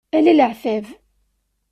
Ala leεtab.